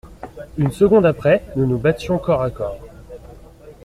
Une seconde après, nous nous battions corps à corps.